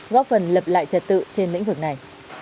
góp phần lập lại trật tự trên lĩnh vực này